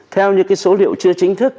theo những số liệu chưa chính thức